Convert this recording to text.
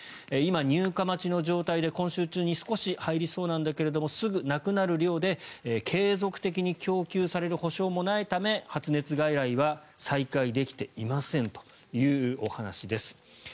今、入荷待ちの状態で今週中に少し入りそうなんだけどもすぐなくなる量で継続的に供給される保証もないため発熱外来は再開できていませんというお話です。